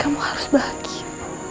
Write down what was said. kamu harus bahagia